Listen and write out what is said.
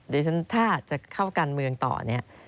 เดี๋ยวฉันถ้าจะเข้าการเมืองต่อเนี่ย